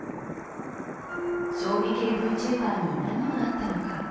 将棋系ＶＴｕｂｅｒに何があったのか。